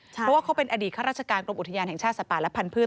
เพราะว่าเขาเป็นอดีตข้าราชการกรมอุทยานแห่งชาติสัตว์ป่าและพันธุ์